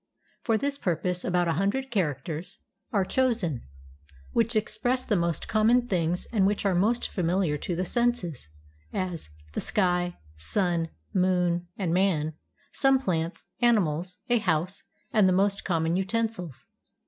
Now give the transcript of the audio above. For this purpose about a hundred characters are chosen which express the most common things and which are most familiar to the senses; as, the sky, sun, moon, and man, some plants, animals, a house, and the most com mon utensils.